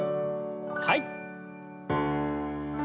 はい。